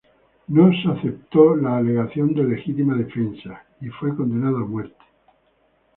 La alegación de legítima defensa no fue aceptada y fue condenado a muerte.